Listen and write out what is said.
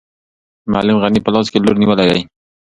معلم غني په لاس کې لور نیولی دی.